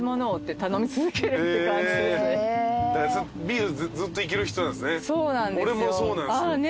ビールずっといける人なんすね。